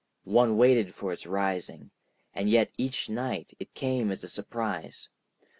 One waited for its rising, and yet each night it came as a surprise.